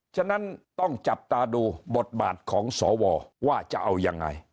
ฉะนั้นต้องจับตาดูบทบาทของสวว่าจะเอายังไง